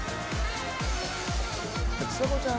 ちさ子ちゃん